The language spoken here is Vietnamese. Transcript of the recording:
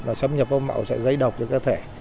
nó xâm nhập vô mạo sẽ gây độc cho cơ thể